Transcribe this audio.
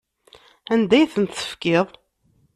Anda ay tent-tefkiḍ?